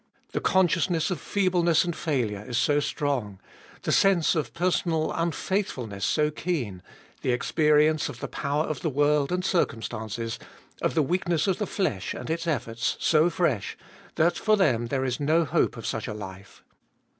The consciousness of feebleness and failure is so strong, the sense of personal unfaithfulness so keen, the experience of the power of the world and circumstances, of the weakness of the flesh and its efforts, so fresh, that for them there is no hope of such a life.